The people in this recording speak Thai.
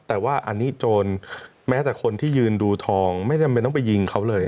แต่ว่าอันนี้โจรแม้แต่คนที่ยืนดูทองไม่จำเป็นต้องไปยิงเขาเลย